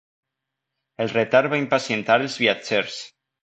El retard va impacientar els viatgers.